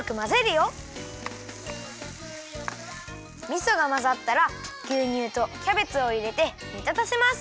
みそがまざったらぎゅうにゅうとキャベツをいれてにたたせます。